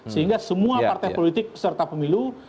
sehingga semua partai politik serta pemilu